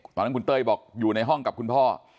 ตอนนั้นคุณเต้ยบอกอยู่ในห้องกับคุณพ่อ